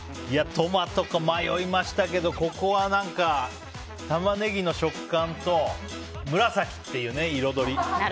トマトか迷いましたけどここは何かタマネギの食感と紫っていう彩り。